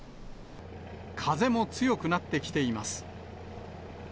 風も強くなってきています。